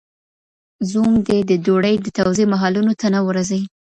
زوم دي د ډوډۍ د توزيع محلونو ته نه ورځي.